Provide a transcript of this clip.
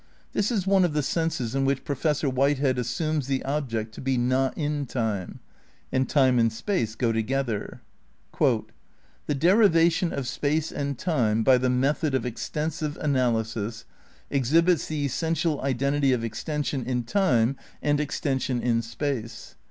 This is one of the senses in which Professor Whitehead assumes the ob ject to be not in time. And time and space go together. "The derivation of space and time by the method of extensive analysis exhibits the essential identity of extension in time and ex tension in space.